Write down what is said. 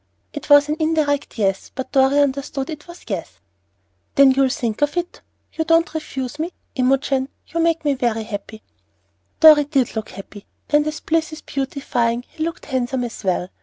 It was an indirect yes, but Dorry understood that it was yes. "Then you'll think of it? You don't refuse me? Imogen, you make me very happy." Dorry did look happy; and as bliss is beautifying, he looked handsome as well.